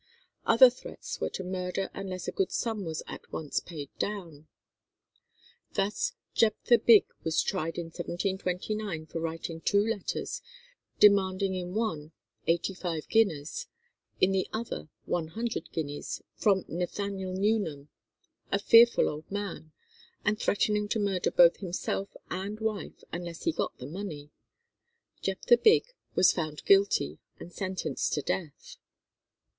Other threats were to murder unless a good sum was at once paid down. Thus Jepthah Big was tried in 1729 for writing two letters, demanding in one eighty five guineas, in the other one hundred guineas from Nathaniel Newnham, "a fearful old man," and threatening to murder both himself and wife unless he got the money. Jepthah Big was found guilty and sentenced to death.